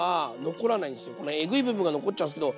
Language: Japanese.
このエグい部分が残っちゃうんですけど。